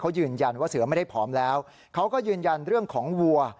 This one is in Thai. เขายืนยันว่าเสือไม่ได้ผอมแล้วเขาก็ยืนยันเรื่องของวัว